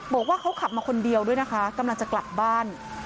บอกว่าเขาขับมาคนเดียวด้วยนะคะกำลังจะกลับบ้าน